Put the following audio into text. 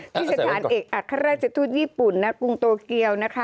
ที่สถานเอกอัครราชทูตญี่ปุ่นณกรุงโตเกียวนะคะ